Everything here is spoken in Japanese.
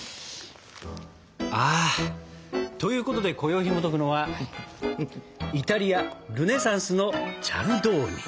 あ。ということでこよいひもとくのは「イタリア・ルネサンスのチャルドーニ」。